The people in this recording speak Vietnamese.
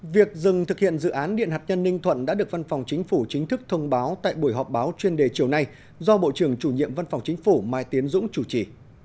việc dừng thực hiện dự án điện hạt nhân ninh thuận đã được văn phòng chính phủ chính thức thông báo tại buổi họp báo chuyên đề chiều nay do bộ trưởng chủ nhiệm văn phòng chính phủ mai tiến dũng chủ trì